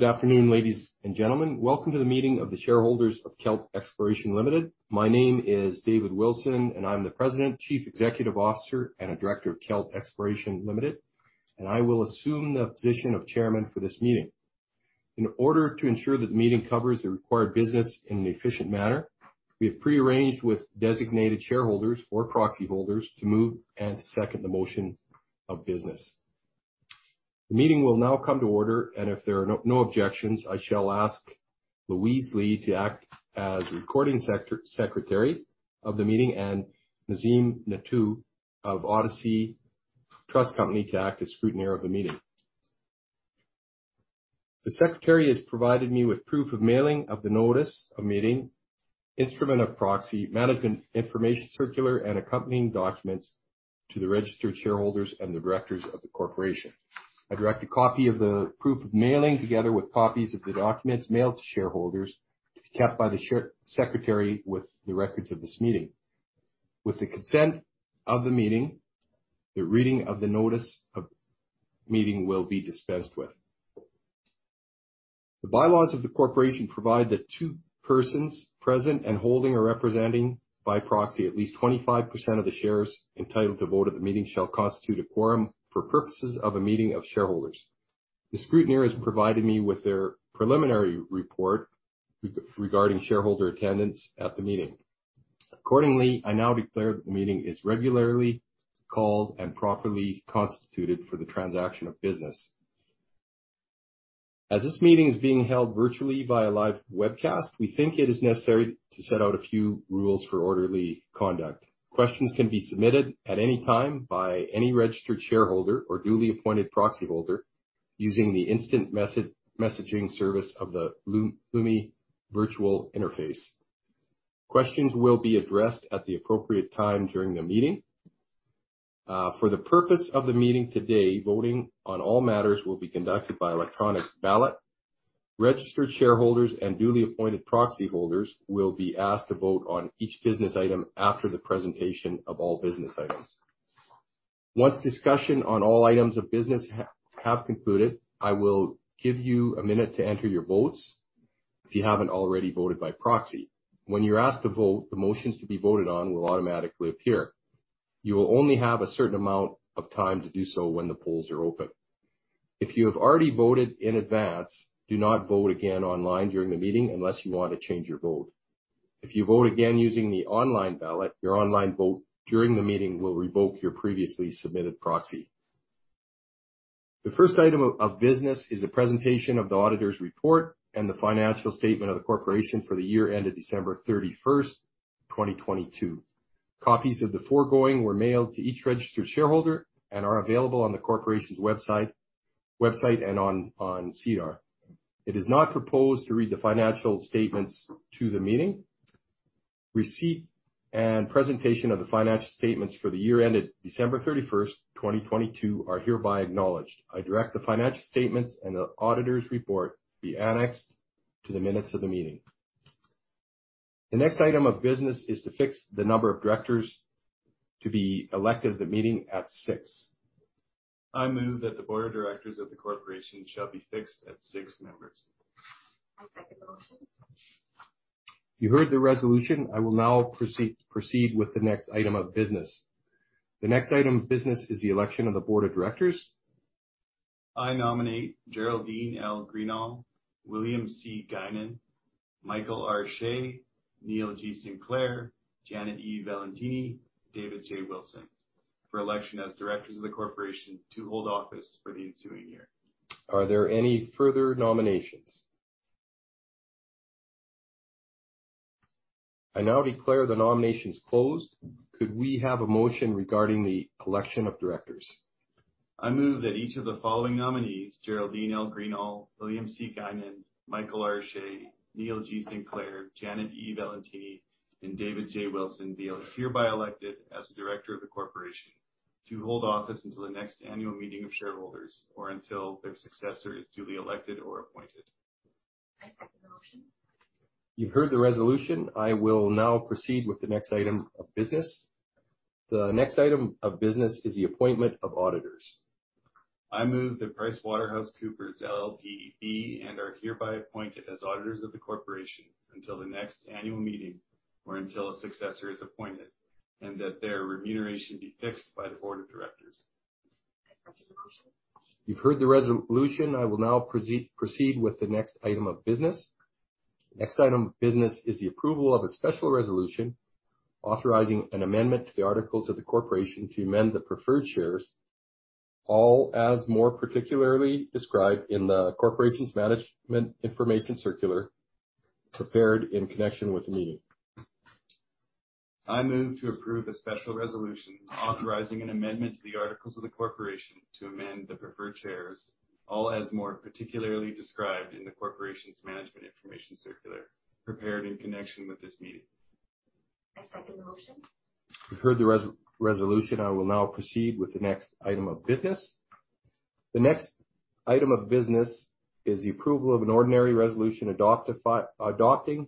Good afternoon, ladies and gentlemen. Welcome to the meeting of the shareholders of Kelt Exploration Ltd. My name is David Wilson, I'm the President, Chief Executive Officer and a Director of Kelt Exploration Ltd. I will assume the position of Chairman for this meeting. In order to ensure that the meeting covers the required business in an efficient manner, we have pre-arranged with designated shareholders or proxy holders to move and second the motions of business. The meeting will now come to order, if there are no objections, I shall ask Louise Lee to act as recording secretary of the meeting and Nazeem Nattu of Odyssey Trust Company to act as scrutineer of the meeting. The secretary has provided me with proof of mailing of the notice of meeting, instrument of proxy, management information circular, and accompanying documents to the registered shareholders and the directors of the corporation. I direct a copy of the proof of mailing, together with copies of the documents mailed to shareholders to be kept by the secretary with the records of this meeting. With the consent of the meeting, the reading of the notice of meeting will be dispensed with. The bylaws of the corporation provide that two persons present and holding or representing by proxy at least 25% of the shares entitled to vote at the meeting shall constitute a quorum for purposes of a meeting of shareholders. The scrutineer has provided me with their preliminary report regarding shareholder attendance at the meeting. Accordingly, I now declare that the meeting is regularly called and properly constituted for the transaction of business. As this meeting is being held virtually via live webcast, we think it is necessary to set out a few rules for orderly conduct. Questions can be submitted at any time by any registered shareholder or duly appointed proxy holder using the instant messaging service of the Lumi virtual interface. Questions will be addressed at the appropriate time during the meeting. For the purpose of the meeting today, voting on all matters will be conducted by electronic ballot. Registered shareholders and duly appointed proxy holders will be asked to vote on each business item after the presentation of all business items. Once discussion on all items of business have concluded, I will give you a minute to enter your votes if you haven't already voted by proxy. When you're asked to vote, the motions to be voted on will automatically appear. You will only have a certain amount of time to do so when the polls are open. If you have already voted in advance, do not vote again online during the meeting unless you want to change your vote. If you vote again using the online ballot, your online vote during the meeting will revoke your previously submitted proxy. The first item of business is a presentation of the auditor's report and the financial statement of the corporation for the year ended December 31st, 2022. Copies of the foregoing were mailed to each registered shareholder and are available on the corporation's website and on SEDAR. It is not proposed to read the financial statements to the meeting. Receipt and presentation of the financial statements for the year ended December 31st, 2022 are hereby acknowledged. I direct the financial statements and the auditor's report be annexed to the minutes of the meeting. The next item of business is to fix the number of directors to be elected at the meeting at 6. I move that the board of directors of the corporation shall be fixed at six members. I second the motion. You heard the resolution. I will now proceed with the next item of business. The next item of business is the election of the board of directors. I nominate Geraldine L. Greenall, William C. Guinan, Michael R. Shea, Neil G. Sinclair, Janet E. Vellutini, David J. Wilson for election as directors of the corporation to hold office for the ensuing year. Are there any further nominations? I now declare the nominations closed. Could we have a motion regarding the election of directors? I move that each of the following nominees, Geraldine L. Greenall, William C. Guinan, Michael R. Shea, Neil G. Sinclair, Janet E. Vellutini, and David J. Wilson be hereby elected as a director of the corporation to hold office until the next annual meeting of shareholders or until their successor is duly elected or appointed. I second the motion. You've heard the resolution. I will now proceed with the next item of business. The next item of business is the appointment of auditors. I move that PricewaterhouseCoopers LLP be and are hereby appointed as auditors of the corporation until the next annual meeting or until a successor is appointed, and that their remuneration be fixed by the board of directors. I second the motion. You've heard the resolution. I will now proceed with the next item of business. The next item of business is the approval of a special resolution authorizing an amendment to the articles of the corporation to amend the preferred shares, all as more particularly described in the corporation's management information circular prepared in connection with the meeting. I move to approve a special resolution authorizing an amendment to the articles of the corporation to amend the preferred shares, all as more particularly described in the corporation's management information circular prepared in connection with this meeting. I second the motion. You heard the resolution. I will now proceed with the next item of business. The next item of business is the approval of an ordinary resolution adopting,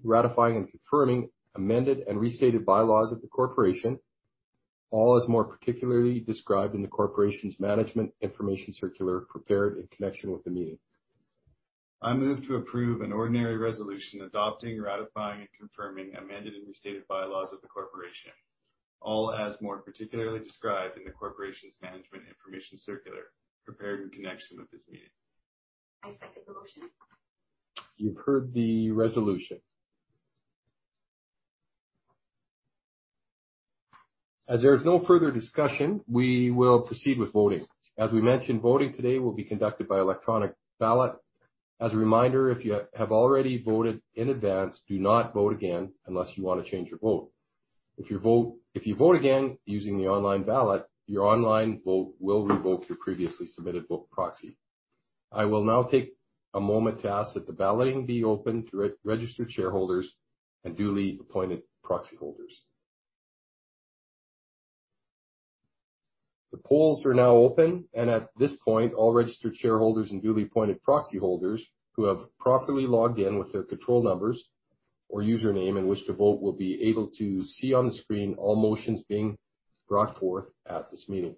ratifying, and confirming amended and restated bylaws of the corporation. All is more particularly described in the Corporation's management information circular, prepared in connection with the meeting. I move to approve an ordinary resolution adopting, ratifying, and confirming amended and restated bylaws of the Corporation, all as more particularly described in the Corporation's management information circular prepared in connection with this meeting. I second the motion. You've heard the resolution. There is no further discussion, we will proceed with voting. We mentioned, voting today will be conducted by electronic ballot. A reminder, if you have already voted in advance, do not vote again unless you wanna change your vote. If you vote again using the online ballot, your online vote will revoke your previously submitted vote proxy. I will now take a moment to ask that the balloting be opened to re-registered shareholders and duly appointed proxy holders. The polls are now open. At this point, all registered shareholders and duly appointed proxy holders who have properly logged in with their control numbers or username in which to vote will be able to see on the screen all motions being brought forth at this meeting.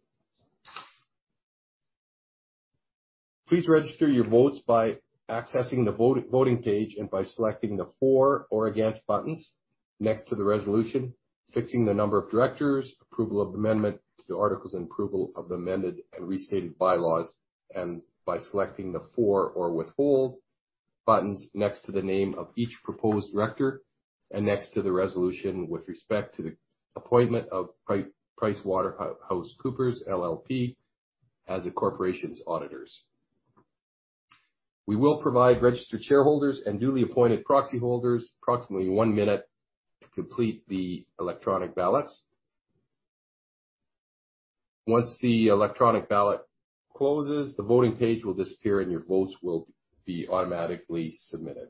Please register your votes by accessing the vote, voting page and by selecting the for or against buttons next to the resolution, fixing the number of directors, approval of amendment to the articles, and approval of the amended and restated bylaws, and by selecting the for or withhold buttons next to the name of each proposed director and next to the resolution with respect to the appointment of PricewaterhouseCoopers LLP as the corporation's auditors. We will provide registered shareholders and duly appointed proxy holders approximately one minute to complete the electronic ballots. Once the electronic ballot closes, the voting page will disappear, and your votes will be automatically submitted.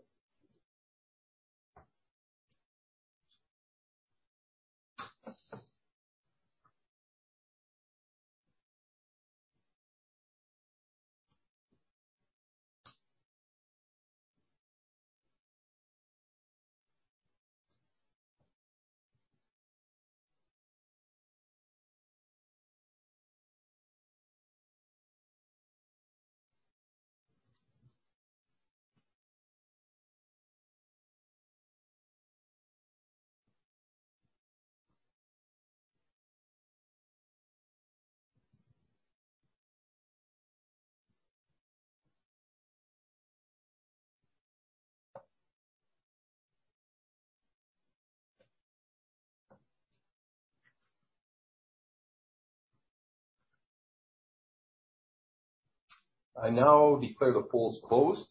I now declare the polls closed.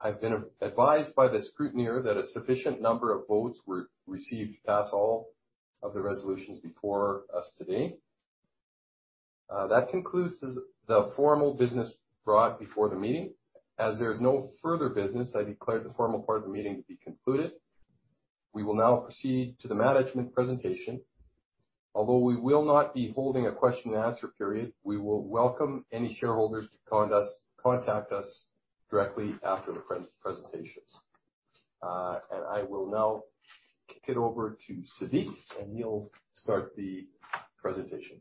I've been advised by the scrutineer that a sufficient number of votes were received to pass all of the resolutions before us today. That concludes the formal business brought before the meeting. As there's no further business, I declare the formal part of the meeting to be concluded. We will now proceed to the management presentation. Although we will not be holding a question and answer period, we will welcome any shareholders to contact us directly after the presentation. I will now kick it over to Sadiq, and he'll start the presentation.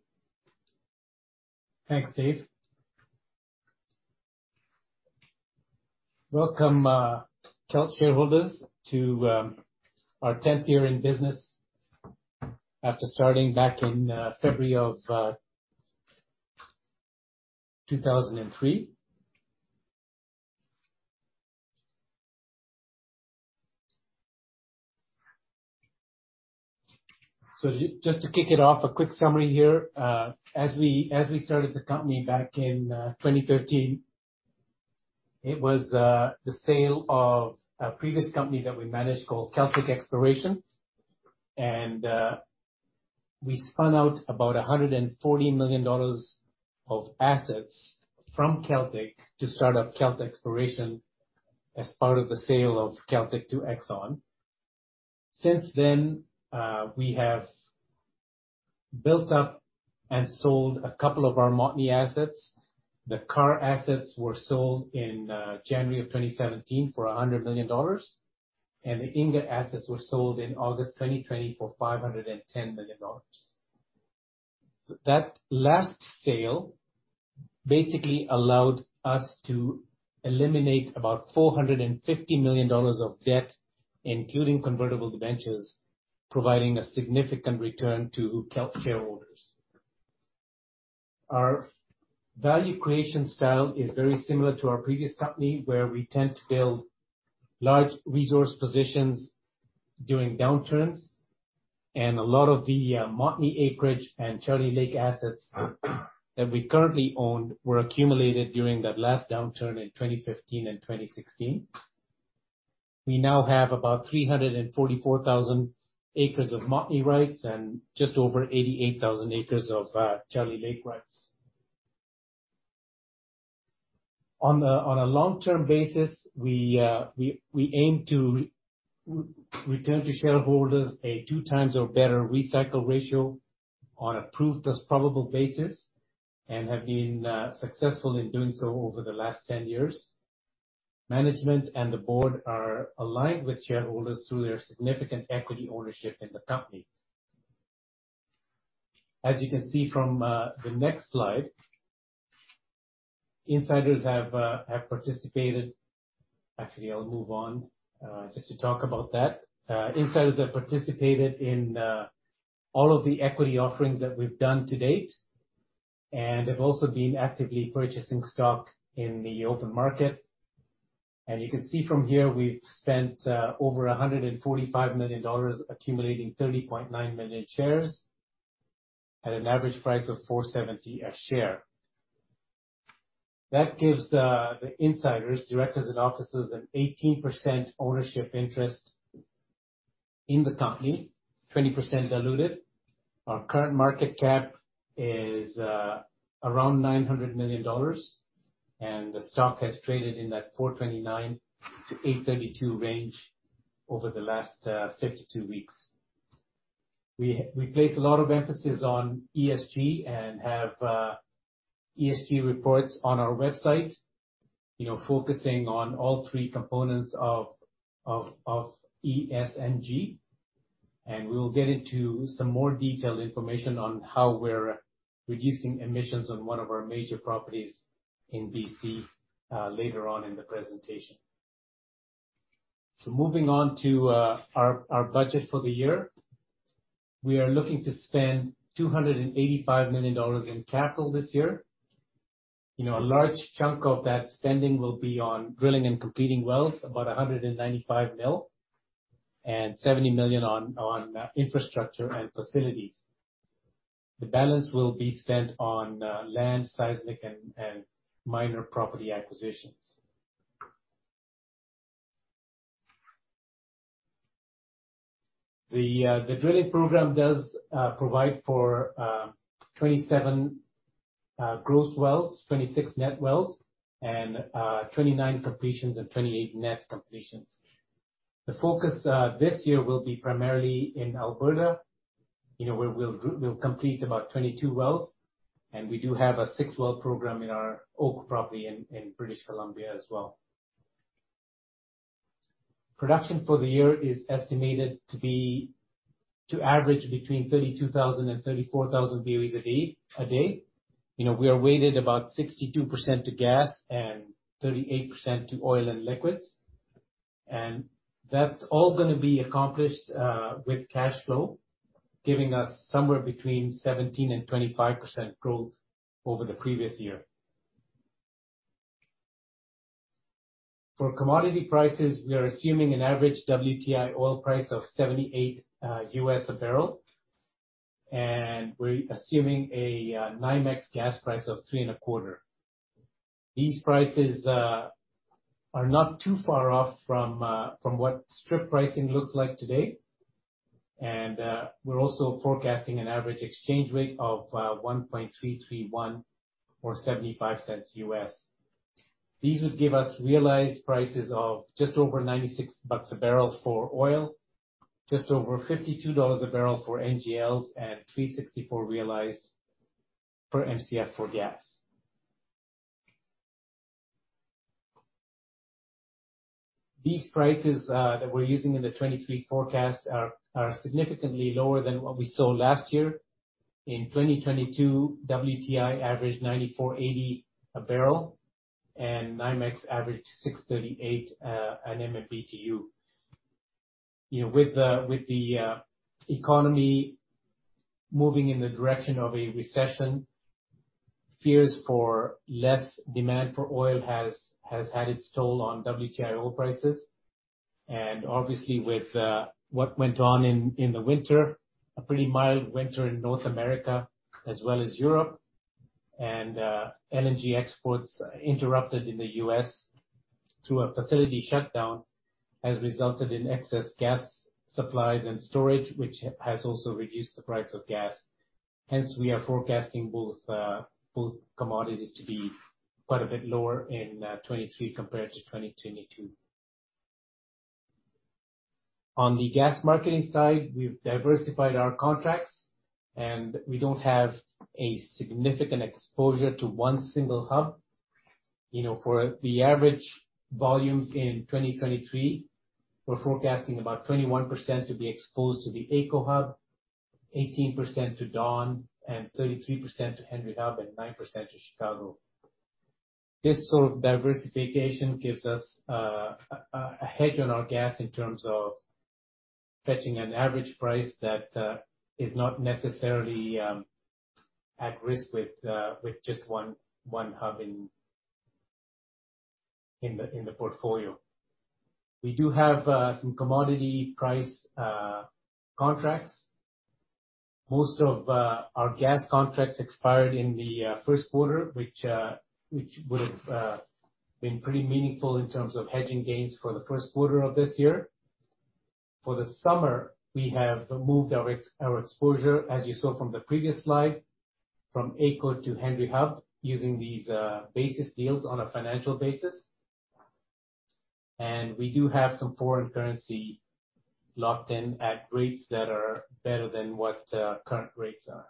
Thanks, Dave. Welcome, Kelt shareholders to our 10th year in business after starting back in February 2003. Just to kick it off, a quick summary here. As we started the company back in 2013, it was the sale of a previous company that we managed called Celtic Exploration. We spun out about 140 million dollars of assets from Celtic to start up Kelt Exploration as part of the sale of Celtic to Exxon. Since then, we have built up and sold a couple of our Montney assets. The Carr assets were sold in January 2017 for 100 million dollars, and the Inga assets were sold in August 2020 for 510 million dollars. That last sale basically allowed us to eliminate about $450 million of debt, including convertible debentures, providing a significant return to Kelt shareholders. Our value creation style is very similar to our previous company, where we tend to build large resource positions during downturns, and a lot of the Montney acreage and Charlie Lake assets that we currently own were accumulated during that last downturn in 2015 and 2016. We now have about 344,000 acres of Montney rights and just over 88,000 acres of Charlie Lake rights. On a long-term basis, we aim to return to shareholders a two times or better recycle ratio on a proved as probable basis, and have been successful in doing so over the last 10 years. Management and the board are aligned with shareholders through their significant equity ownership in the company. As you can see from the next slide, insiders have participated... Actually, I'll move on just to talk about that. Insiders have participated in all of the equity offerings that we've done to date, and have also been actively purchasing stock in the open market. You can see from here, we've spent over 145 million dollars accumulating 30.9 million shares at an average price of 4.70 a share. That gives the insiders, directors, and officers an 18% ownership interest in the company, 20% diluted. Our current market cap is around 900 million dollars, and the stock has traded in that 4.29-8.32 range over the last 52 weeks. We place a lot of emphasis on ESG and have ESG reports on our website, you know, focusing on all three components of E, S, and G. We will get into some more detailed information on how we're reducing emissions on one of our major properties in BC later on in the presentation. Moving on to our budget for the year. We are looking to spend 285 million dollars in capital this year. You know, a large chunk of that spending will be on drilling and completing wells, about 195 million, and 70 million on infrastructure and facilities. The balance will be spent on land, seismic, and miner property acquisitions. The drilling program does provide for 27 gross wells, 26 net wells, and 29 completions and 28 net completions. The focus this year will be primarily in Alberta, you know, where we'll complete about 22 wells, and we do have a 6-well program in our Oak property in British Columbia as well. Production for the year is estimated to average between 32,000 and 34,000 BOEs a day. You know, we are weighted about 62% to gas and 38% to oil and liquids. That's all gonna be accomplished with cash flow, giving us somewhere between 17%-25% growth over the previous year. For commodity prices, we are assuming an average WTI oil price of $78 U.S. a barrel, and we're assuming a NYMEX gas price of $3.25. These prices are not too far off from what strip pricing looks like today. We're also forecasting an average exchange rate of 1.331 or $0.75 U.S. These would give us realized prices of just over $96 bucks a barrel for oil, just over $52 a barrel for NGLs, and $3.64 realized per Mcf for gas. These prices that we're using in the 2023 forecast are significantly lower than what we saw last year. In 2022, WTI averaged $94.80 a barrel, and NYMEX averaged $6.38 at MMBtu. You know, with the, with the economy moving in the direction of a recession, fears for less demand for oil has had its toll on WTI oil prices. Obviously with what went on in the winter, a pretty mild winter in North America as well as Europe, and LNG exports interrupted in the U.S. through a facility shutdown, has resulted in excess gas supplies and storage, which has also reduced the price of gas. Hence, we are forecasting both commodities to be quite a bit lower in 2023 compared to 2022. On the gas marketing side, we've diversified our contracts, and we don't have a significant exposure to one single hub. You know, for the average volumes in 2023, we're forecasting about 21% to be exposed to the AECO Hub, 18% to Dawn, and 33% to Henry Hub, and 9% to Chicago. This sort of diversification gives us a hedge on our gas in terms of fetching an average price that is not necessarily at risk with just one hub in the portfolio. We do have some commodity price contracts. Most of our gas contracts expired in the first quarter, which would've been pretty meaningful in terms of hedging gains for the first quarter of this year. For the summer, we have moved our exposure, as you saw from the previous slide, from AECO to Henry Hub using these basis deals on a financial basis. We do have some foreign currency locked in at rates that are better than what current rates are.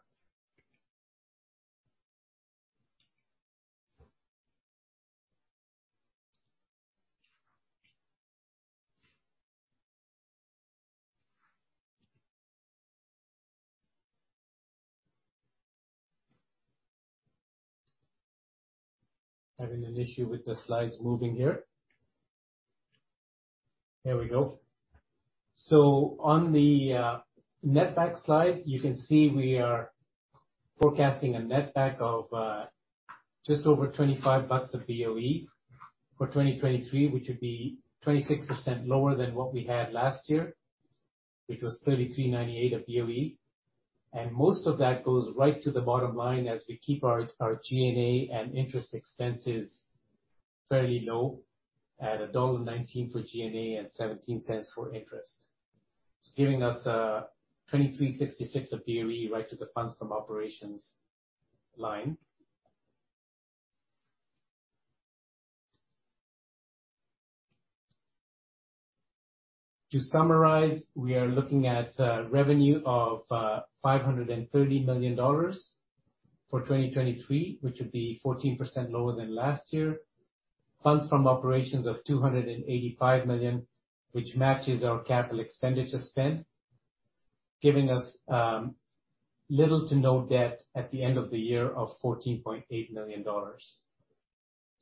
Having an issue with the slides moving here. There we go. On the netback slide, you can see we are forecasting a netback of just over 25 bucks/BOE for 2023, which would be 26% lower than what we had last year, which was 33.98/BOE. Most of that goes right to the bottom line as we keep our G&A and interest expenses fairly low at 1.19 dollar for G&A and 0.17 for interest. It's giving us 23.66/BOE right to the funds from operations line. To summarize, we are looking at revenue of 530 million dollars for 2023, which would be 14% lower than last year. Funds from operations of 285 million, which matches our capital expenditure spend, giving us little to no debt at the end of the year of 14.8 million dollars.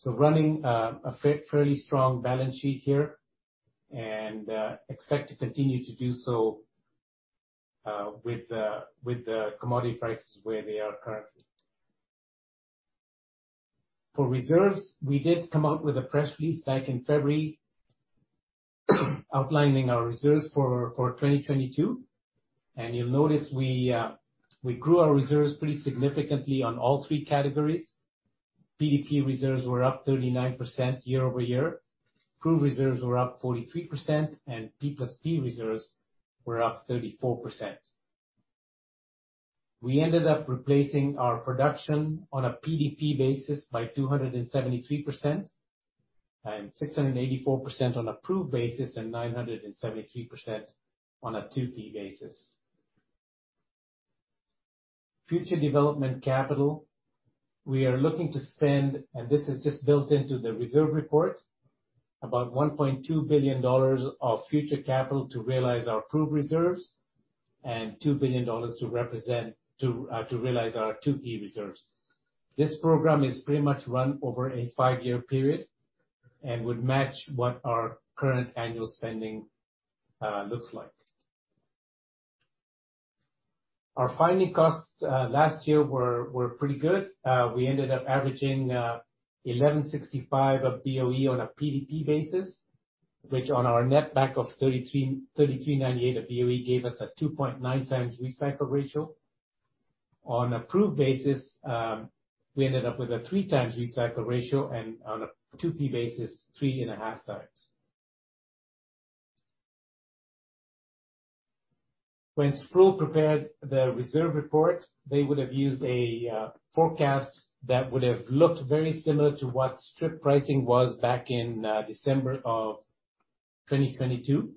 Running a fairly strong balance sheet here and expect to continue to do so with the commodity prices where they are currently. For reserves, we did come out with a press release back in February outlining our reserves for 2022. You'll notice we grew our reserves pretty significantly on all three categories. PDP reserves were up 39% year-over-year, proved reserves were up 43%, and P+P reserves were up 34%. We ended up replacing our production on a PDP basis by 273% and 684% on a proved basis and 973% on a 2P basis. Future development capital, we are looking to spend, and this is just built into the reserve report, about 1.2 billion dollars of future capital to realize our proved reserves and 2 billion dollars to represent to realize our 2P reserves. This program is pretty much run over a five-year period and would match what our current annual spending looks like. Our finding costs last year were pretty good. We ended up averaging 11.65 of BOE on a PDP basis, which on our netback of 33.98 of BOE gave us a 2.9x recycle ratio. On a proved basis, we ended up with a three times recycle ratio and on a 2P basis, three and a half times. When Sproule prepared the reserve report, they would have used a forecast that would have looked very similar to what strip pricing was back in December of 2022.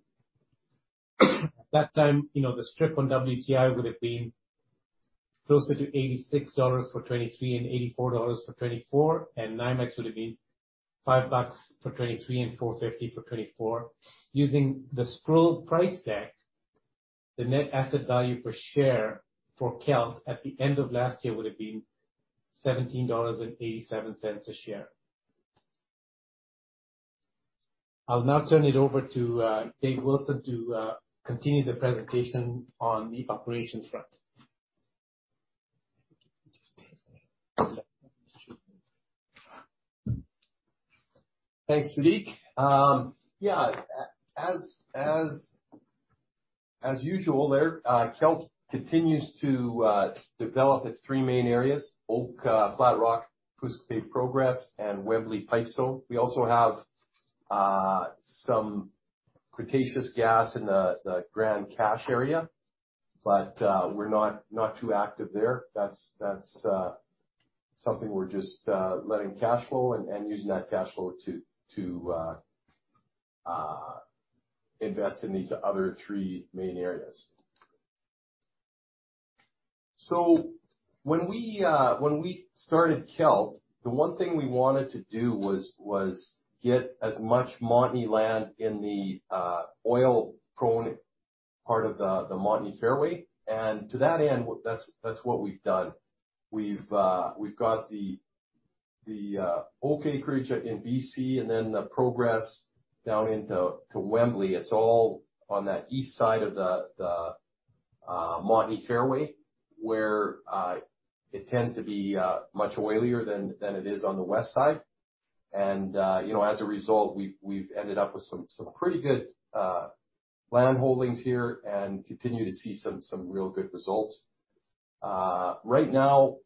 At that time, the strip on WTI would have been closer to $86 for 2023 and $84 for 2024, and NYMEX would have been $5 for 2023 and $4.50 for 2024. Using the Sproule price deck, the net asset value per share for Kelt at the end of last year would have been 17.87 dollars a share. I'll now turn it over to Dave Wilson to continue the presentation on the operations front. Thanks, Sadiq. Yeah, as usual there, Kelt continues to develop its three main areas, Oak/Flatrock, Pouce Progress and Wembley/Pipestone. We also have some Cretaceous gas in the Grande Cache area, but we're not too active there. That's something we're just letting cash flow and using that cash flow to invest in these other three main areas. When we, when we started Kelt, the one thing we wanted to do was get as much Montney land in the oil prone part of the Montney fairway. To that end, that's what we've done. We've got the Oak Creek in B.C. and then the Progress down into Wembley. It's all on that east side of the Montney fairway, where it tends to be much oilier than it is on the west side. You know, as a result, we've ended up with some pretty good land holdings here and continue to see some real good results. Right now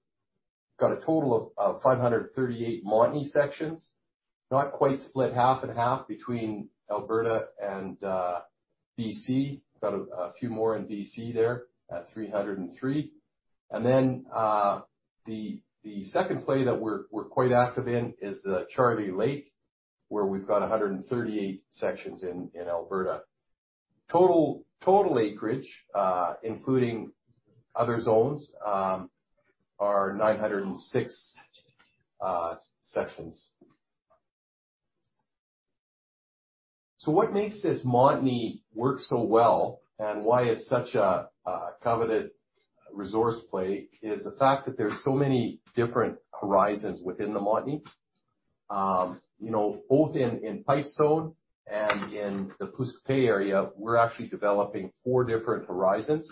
got a total of 538 Montney sections, not quite split half and half between Alberta and BC. Got a few more in BC there at 303. The second play that we're quite active in is the Charlie Lake, where we've got 138 sections in Alberta. Total acreage, including other zones, are 906 sections. What makes this Montney work so well, and why it's such a coveted resource play, is the fact that there's so many different horizons within the Montney. you know, both in Pipestone and in the Pouce Coupe field, we're actually developing four different horizons.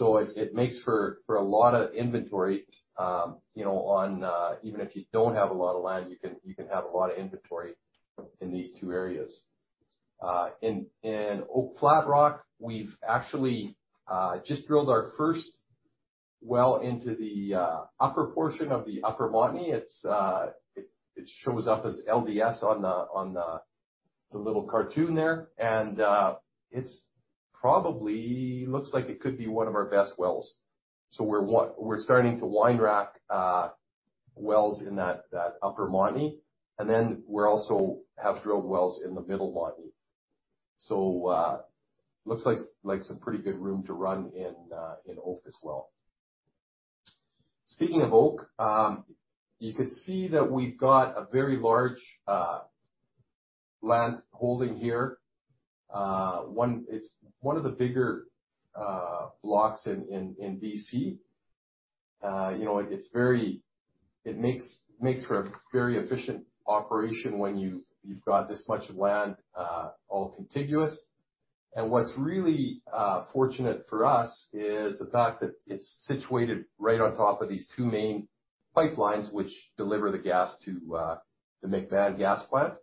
It makes for a lot of inventory, you know, on even if you don't have a lot of land, you can have a lot of inventory in these two areas. In Oak/Flatrock, we've actually just drilled our first well into the upper portion of the Upper Montney. It shows up as LDS on the little cartoon there. It's probably looks like it could be one of our best wells. We're starting to wine rack wells in that Upper Montney, and then we're also have drilled wells in the Middle Montney. Looks like some pretty good room to run in Oak as well. Speaking of Oak, you could see that we've got a very large land holding here. It's one of the bigger blocks in BC. You know, it makes for a very efficient operation when you've got this much land all contiguous. What's really fortunate for us is the fact that it's situated right on top of these two main pipelines which deliver the gas to the MacBat Gas Plant.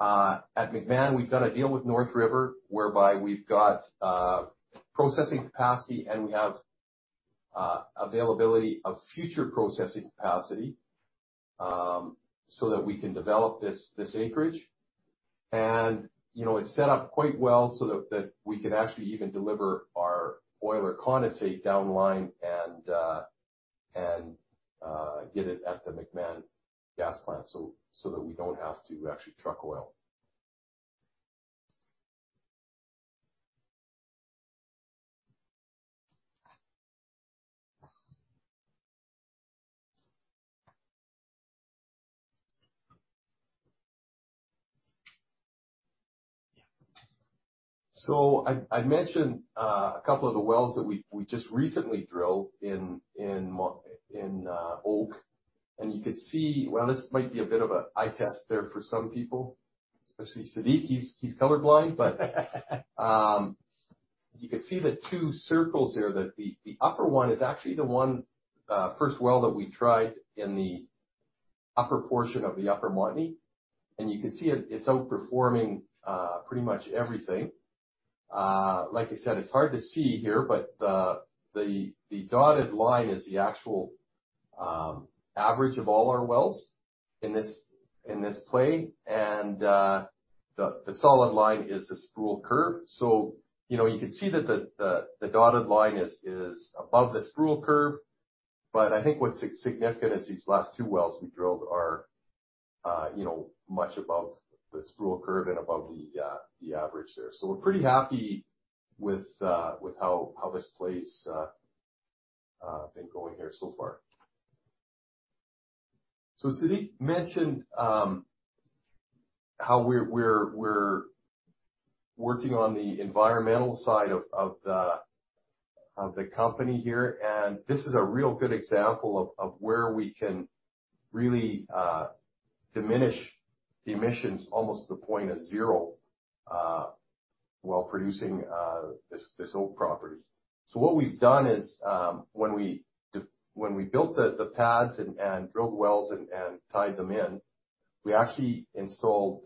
At MacBad, we've done a deal with North River whereby we've got processing capacity, and we have availability of future processing capacity, so that we can develop this acreage. You know, it's set up quite well so that we can actually even deliver our oil or condensate downline and get it at the MacBat Gas Plant, so that we don't have to actually truck oil. I mentioned a couple of the wells that we just recently drilled in Oak, and you could see, well, this might be a bit of an eyetest there for some people, especially Sadiq, he's colorblind. You could see the two circles there, that the upper one is actually the one first well that we tried in the upper portion of the Upper Montney. You can see it's outperforming pretty much everything. Like I said, it's hard to see here, but the dotted line is the actual average of all our wells in this play. The solid line is the Sproule curve. You know, you can see that the dotted line is above the Sproule curve. I think what's significant is these last two wells we drilled are, you know, much above the Sproule curve and above the average there. We're pretty happy with how this place been going here so far. Sadiq mentioned how we're working on the environmental side of the company here. This is a real good example of where we can really diminish emissions almost to the point of zero while producing this Oak property. What we've done is when we built the pads and drilled wells and tied them in, we actually installed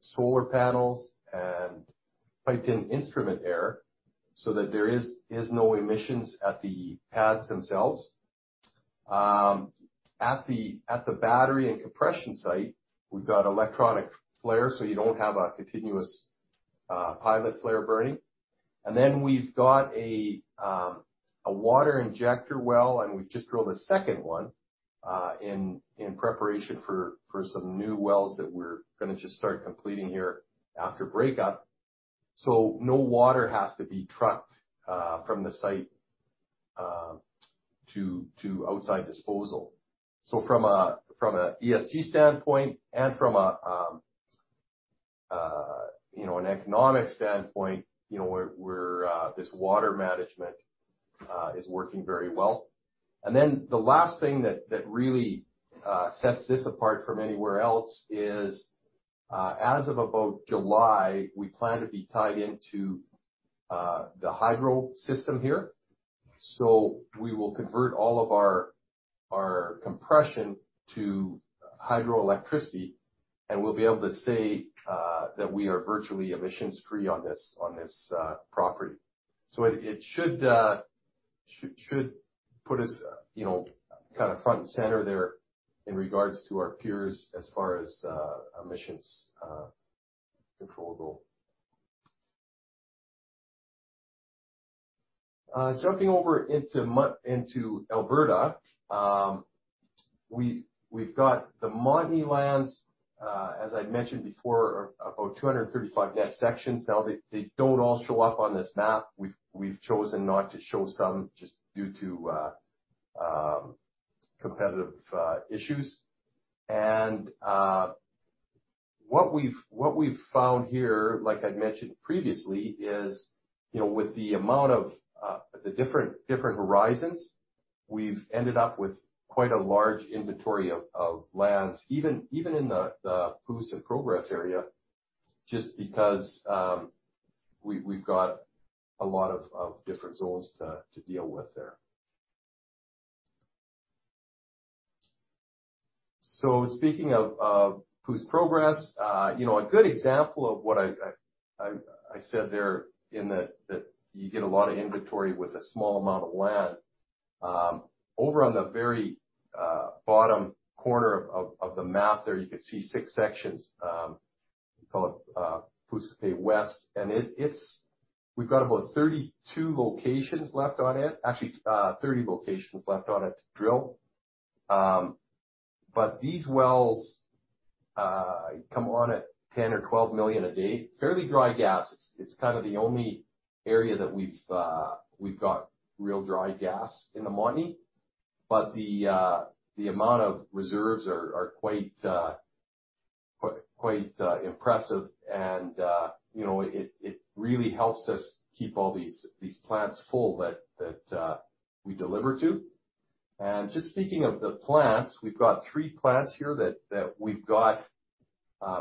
solar panels and piped in instrument air so that there is no emissions at the pads themselves. At the battery and compression site, we've got electronic flares, so you don't have a continuous pilot flare burning. We've got a water injector well, and we've just drilled a second one in preparation for some new wells that we're gonna just start completing here after breakup. No water has to be trucked from the site to outside disposal. From a ESG standpoint and from a, you know, an economic standpoint, you know, we're this water management is working very well. The last thing that really sets this apart from anywhere else is, as of about July, we plan to be tied into the hydro system here. We will convert all of our compression to hydroelectricity, and we'll be able to say that we are virtually emissions free on this property. It should put us, you know, kind of front and center there in regards to our peers as far as emissions control goal. Jumping over into Alberta. We've got the Montney lands, as I'd mentioned before, about 235 net sections. They don't all show up on this map. We've chosen not to show some just due to competitive issues. What we've found here, like I'd mentioned previously, is, you know, with the amount of the different horizons, we've ended up with quite a large inventory of lands, even in the Pouce and Progress area, just because we've got a lot of different zones to deal with there. Speaking of Pouce/Progress, you know, a good example of what I said there in that you get a lot of inventory with a small amount of land. Over on the very bottom corner of the map there, you can see six sections. We call it Pouce to K West. We've got about 32 locations left on it. Actually, 30 locations left on it to drill. These wells come on at 10 or 12 million a day. Fairly dry gas. It's kind of the only area that we've got real dry gas in the Montney. The amount of reserves are quite impressive. You know, it really helps us keep all these plants full that we deliver to. just speaking of the plants, we've got three plants here that we've got,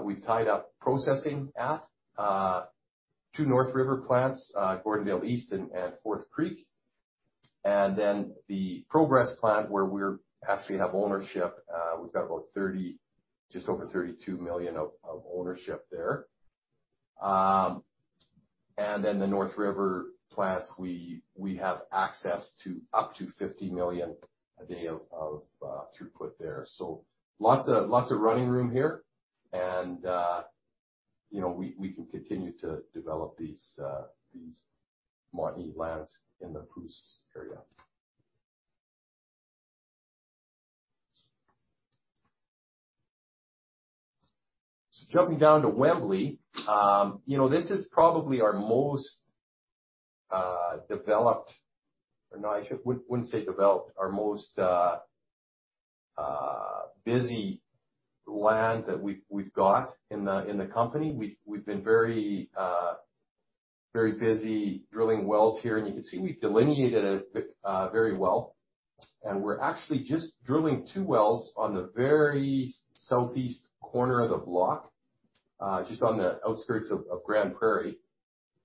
we've tied up processing at. Two North River plants, Gordondale East and Fourth Creek, and then the Progress plant where we actually have ownership. We've got about 30, just over 32 million of ownership there. then the North River plants, we have access to up to 50 million a day of throughput there. lots of, lots of running room here. you know, we can continue to develop these Montney lands in the Pouce area. jumping down to Wembley. you know, this is probably our most developed. no, I wouldn't say developed. Our most busy land that we've got in the company. We've been very busy drilling wells here. You can see we've delineated a bit very well. We're actually just drilling two wells on the very southeast corner of the block, just on the outskirts of Grande Prairie.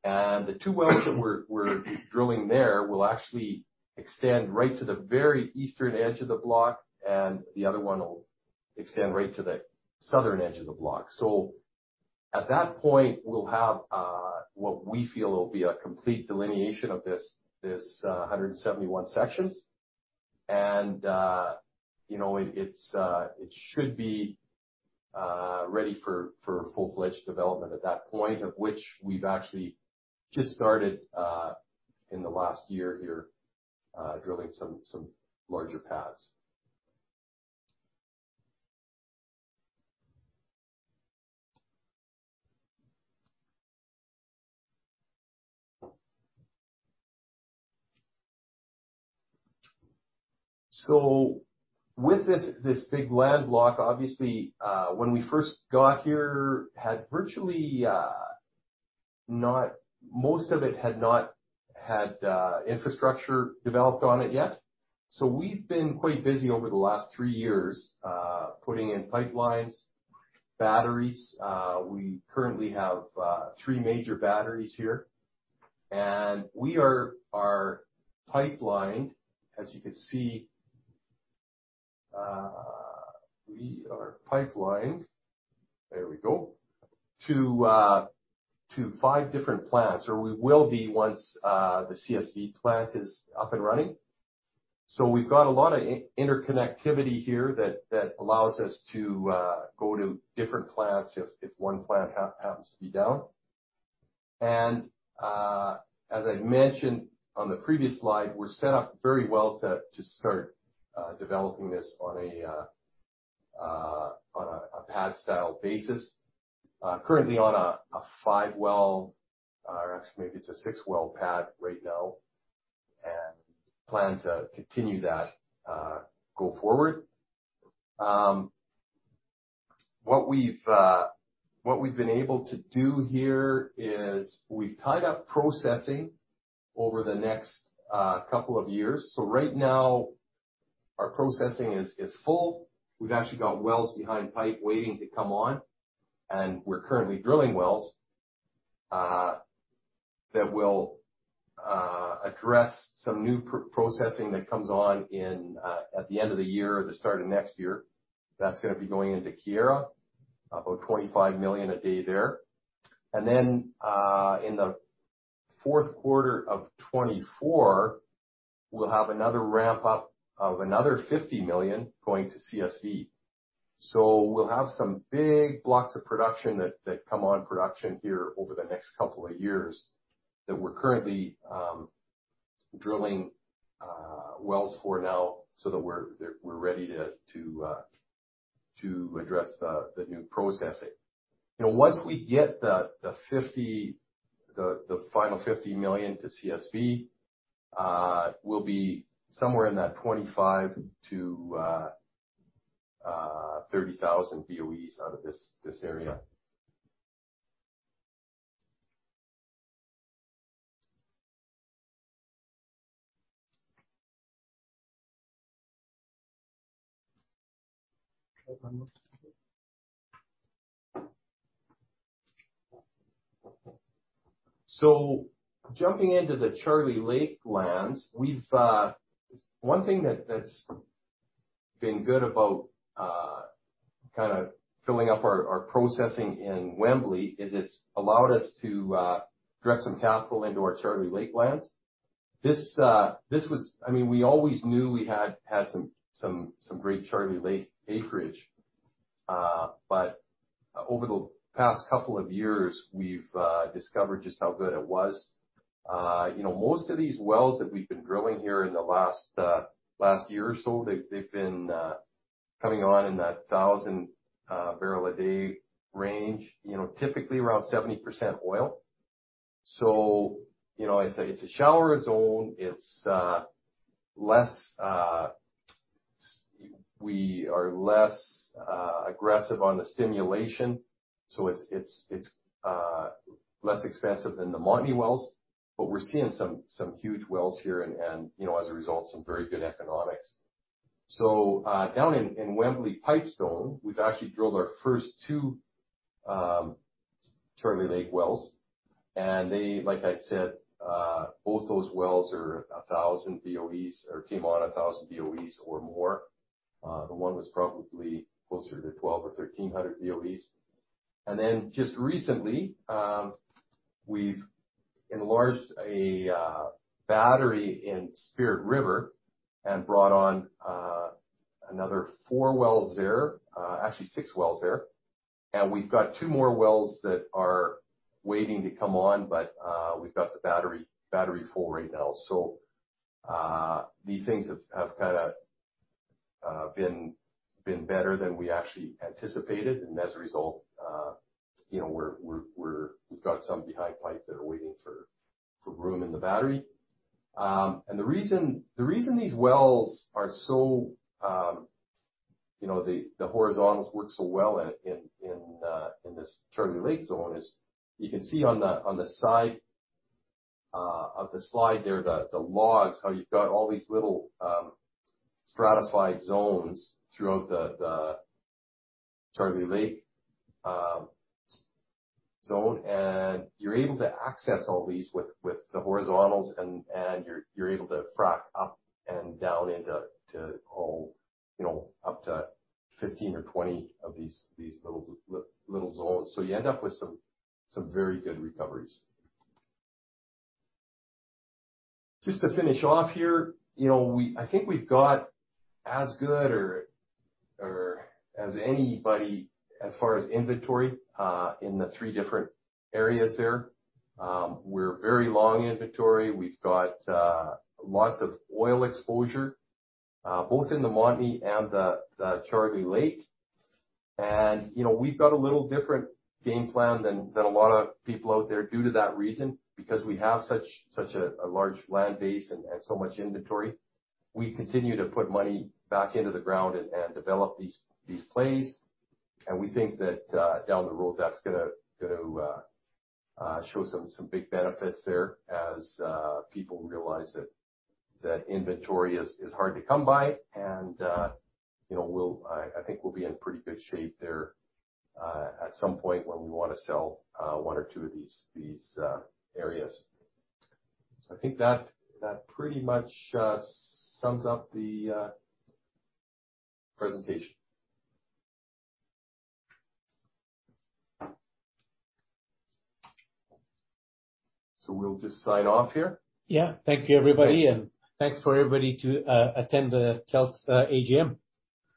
The two wells that we're drilling there will actually extend right to the very eastern edge of the block, and the other one will extend right to the southern edge of the block. At that point, we'll have what we feel will be a complete delineation of this 171 sections. You know, it's, it should be ready for full-fledged development at that point, of which we've actually just started in the last year here drilling some larger pads. With this big land block, obviously, when we first got here, had virtually most of it had not had infrastructure developed on it yet. We've been quite busy over the last three years putting in pipelines, batteries. We currently have three major batteries here, and we are pipelined, as you can see. We are pipelined, there we go, to five different plants, or we will be once the CSV plant is up and running. We've got a lot of interconnectivity here that allows us to go to different plants if one plant happens to be down. As I mentioned on the previous slide, we're set up very well to start developing this on a pad-style basis. Currently on a 5-well, or actually maybe it's a 6-well pad right now, and plan to continue that go forward. What we've been able to do here is we've tied up processing over the next couple of years. Right now, our processing is full. We've actually got wells behind pipe waiting to come on, and we're currently drilling wells that will address some new processing that comes on at the end of the year or the start of next year. That's gonna be going into Keyera, about 25 million a day there. In the fourth quarter of 2024, we'll have another ramp up of another 50 million going to CSV. We'll have some big blocks of production that come on production here over the next couple of years that we're currently drilling wells for now so that we're ready to address the new processing. You know, once we get the final 50 million to CSV, we'll be somewhere in that 25,000-30,000 BOEs out of this area. Jumping into the Charlie Lake lands, we've one thing that's been good about kinda filling up our processing in Wembley is it's allowed us to direct some capital into our Charlie Lake lands. I mean, we always knew we had some great Charlie Lake acreage, but over the past couple of years, we've discovered just how good it was. You know, most of these wells that we've been drilling here in the last year or so, they've been coming on in that 1,000 barrel a day range, you know, typically around 70% oil. You know, it's a shallower zone. It's less. We are less aggressive on the stimulation, so it's less expensive than the Montney wells, but we're seeing some huge wells here and, you know, as a result, some very good economics. Down in Wembley Pipestone, we've actually drilled our first two Charlie Lake wells. They, like I said, both those wells are 1,000 BOEs or came on 1,000 BOEs or more. The one was probably closer to 1,200 or 1,300 BOEs. Just recently, we've enlarged a battery in Spirit River and brought on another 4-wells there, actually 6-wells there. We've got two more wells that are waiting to come on, but we've got the battery full right now. These things have kinda been better than we actually anticipated, and as a result, you know, we've got some behind pipe that are waiting for room in the battery. The reason these wells are so, you know, the horizontals work so well in this Charlie Lake zone is you can see on the side of the slide there, the logs, how you've got all these little stratified zones throughout the Charlie Lake zone. You're able to access all these with the horizontals, and you're able to frack up and down into, you know, up to 15 or 20 of these little zones. You end up with some very good recoveries. Just to finish off here, you know, I think we've got as good or as anybody as far as inventory in the three different areas there. We're very long inventory. We've got lots of oil exposure, both in the Montney and the Charlie Lake. You know, we've got a little different game plan than a lot of people out there due to that reason, because we have such a large land base and so much inventory. We continue to put money back into the ground and develop these plays. We think that, down the road, that's gonna show some big benefits there as people realize that inventory is hard to come by and, you know, I think we'll be in pretty good shape there at some point when we wanna sell one or two of these areas. I think that pretty much sums up the presentation. We'll just sign off here. Yeah. Thank you, everybody. Thanks. Thanks for everybody to attend the Kelt's AGM.